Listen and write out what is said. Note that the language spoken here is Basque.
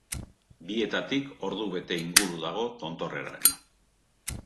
Bietatik ordubete inguru dago tontorreraino.